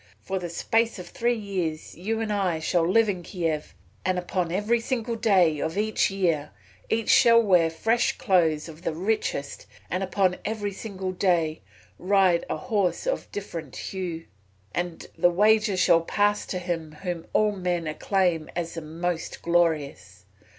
For the space of three years you and I shall live in Kiev, and upon every single day of the year each shall wear fresh clothes of the richest, and upon every single day ride a horse of a different hue. And the wager shall pass to him whom all men acclaim as the most glorious.